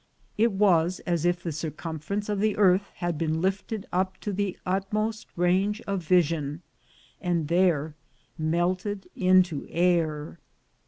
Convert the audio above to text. It was as if the circumference of the earth had been lifted up to the utmost range of vision, and there melted into air.